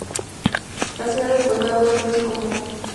La sede del condado es Roscommon.